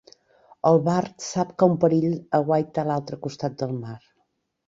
El bard sap que un perill aguaita a l'altre costat del mar.